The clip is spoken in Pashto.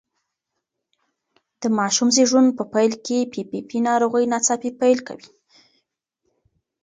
د ماشوم زېږون په پیل کې پي پي پي ناروغي ناڅاپي پیل کوي.